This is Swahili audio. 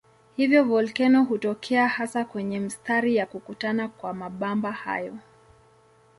Hivyo volkeno hutokea hasa kwenye mistari ya kukutana kwa mabamba hayo.